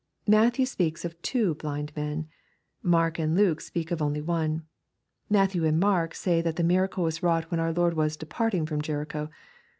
Matthew speaks of two bUnd men. Mark and Luke speak of only one. Matthew and Mark say that the miracle was wrought when our Lord was " departing" from Jericho.